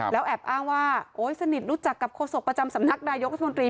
แล้วแอบอ้างว่าโอ๊ยสนิทรู้จักกับโฆษกประจำสำนักนายกรัฐมนตรี